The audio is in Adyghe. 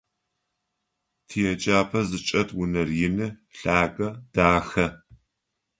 Тиеджапӏэ зычӏэт унэр ины, лъагэ, дахэ.